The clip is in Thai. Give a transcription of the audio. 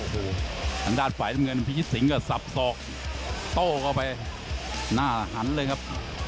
โอ้โหทางด้านฝ่ายน้ำเงินพิชิตสิงก็สับสอกโต้เข้าไปหน้าหันเลยครับ